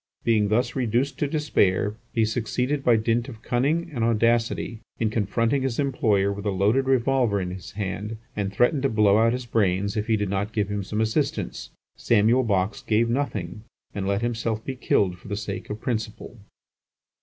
Being thus reduced to despair, he succeeded by dint of cunning and audacity in confronting his employer with a loaded revolver in his hand, and threatened to blow out his brains if he did not give him some assistance. Samuel Box gave nothing, and let himself be killed for the sake of principle.